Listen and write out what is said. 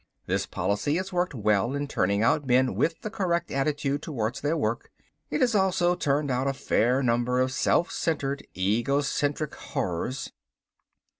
"This policy has worked well in turning out men with the correct attitude towards their work. It has also turned out a fair number of self centered, egocentric horrors."